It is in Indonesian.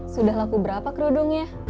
sudah laku berapa kerudungnya